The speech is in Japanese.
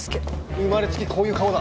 生まれつきこういう顔だ。